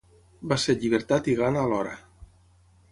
Va ser llibertat i gana alhora.